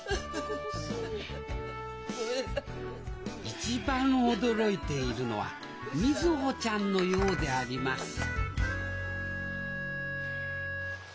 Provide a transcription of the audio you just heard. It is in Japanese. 一番驚いているのは瑞穂ちゃんのようであります